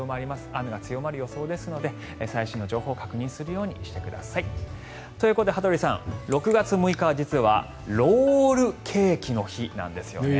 雨が強まる予想ですので最新の情報を確認するようにしてください。ということで羽鳥さん６月６日は実はロールケーキの日なんですよね。